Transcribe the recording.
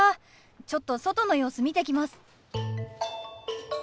ちょっと外の様子見てきます。